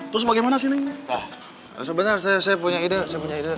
terus bagaimana sih ini saya punya ide ide